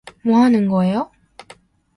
뭐 하는 거예요?